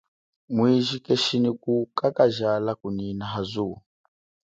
Mwiji keshi nyi kukakajala kunyina ha zuwo.